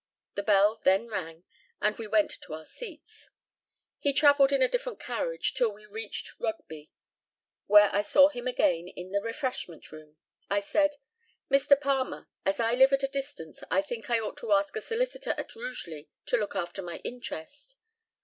The bell then rang, and we went to our seats. He travelled in a different carriage till we reached Rugby, where I saw him again in the refreshment room. I said, "Mr. Palmer, as I live at a distance I think I ought to ask a solicitor at Rugeley to look after my interest."